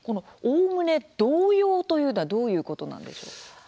おおむね同様というのはどういうことなんでしょう？